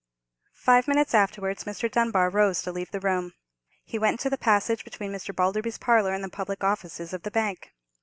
Five minutes afterwards Mr. Dunbar rose to leave the room. He went into the passage between Mr. Balderby's parlour and the public offices of the bank.